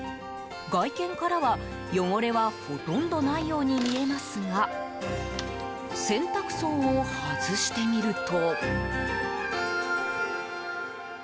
外見からは、汚れはほとんどないように見えますが洗濯槽を外してみると。